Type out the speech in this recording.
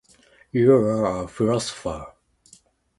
You're a philosopher.